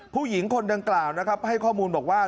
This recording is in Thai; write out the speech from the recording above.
ผู้หญิงคนดังกล่าวนะครับให้ข้อมูลบอกว่า